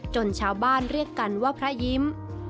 ชาวบ้านเรียกกันว่าพระยิ้ม